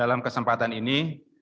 dalam kesempatan ini